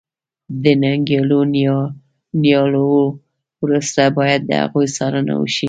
د نیالګیو نیالولو وروسته باید د هغوی څارنه وشي.